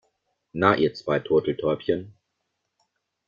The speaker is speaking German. Na, ihr zwei Turteltäubchen.